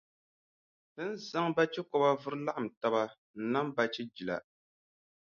Ti ni zaŋ bachikɔba vuri laɣim taba n-nam bachijila.